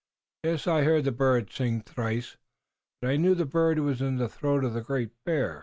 "Yes. I heard the bird sing thrice, but I knew the bird was in the throat of the Great Bear.